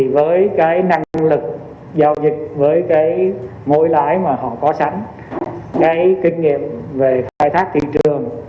với cái năng lực giao dịch với cái mối lãi mà họ có sẵn cái kinh nghiệm về phai thác thị trường